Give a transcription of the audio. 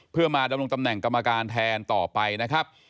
เพื่อมาดำรงตำแหน่งกรรมการแทนต่อไปนะครับ